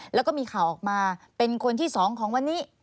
แล้วก็มีข่าวออกมาเป็นคนที่๒ของวันนี้